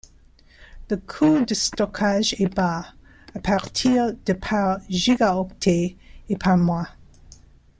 Le coût de stockage est bas, à partir de par gigaoctet et par mois.